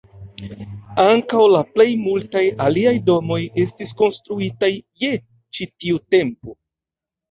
Ankaŭ la plej multaj aliaj domoj estis konstruita je ĉi tiu tempo.